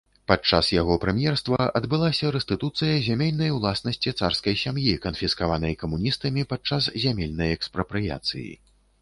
Падчас яго прэм'ерства адбылася рэстытуцыя зямельнай уласнасці царскай сям'і, канфіскаванай камуністамі падчас зямельнай экспрапрыяцыі.